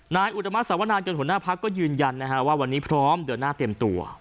อุตมาสวนายนหัวหน้าพักก็ยืนยันว่าวันนี้พร้อมเดินหน้าเตรียมตัว